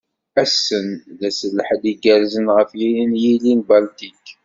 Ass-en d ass n lḥedd igerrzen ɣef yiri n yill n Baltik.